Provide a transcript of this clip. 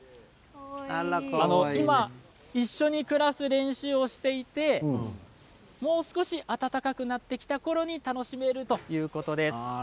今、一緒に暮らす練習をしていてもう少し暖かくなってきたころに楽しめるということです。